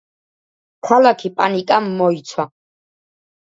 ქალაქი პანიკამ მოიცვა.